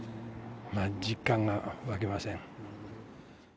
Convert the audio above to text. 実感が湧きません。